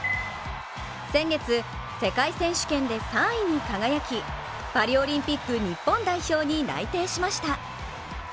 先月、世界選手権で３位に輝きパリオリンピック日本代表に内定しました。